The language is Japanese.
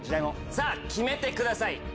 さぁ決めてください！